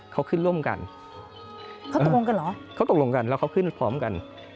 เขาขึ้นร่วมกันเขาตกลงกันเหรอเขาตกลงกันแล้วเขาขึ้นพร้อมกัน